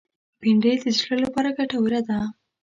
بېنډۍ د زړه لپاره ګټوره ده